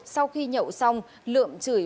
sau khi nhậu xong lượm chửi